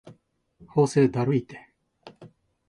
法政だるいて